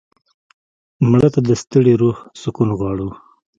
مړه ته د ستړي روح سکون غواړو